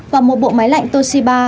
và một bộ máy lạnh toshiba